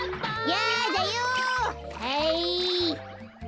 やだよはい。